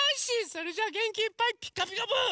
それじゃあげんきいっぱい「ピカピカブ！」